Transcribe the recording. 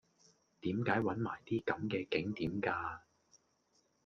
點解搵埋啲咁既景點嫁